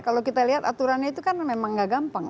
kalau kita lihat aturannya itu kan memang nggak gampang